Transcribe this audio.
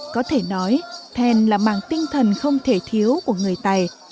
có thể nói thanh là màng tinh thần không thể thiếu của người tài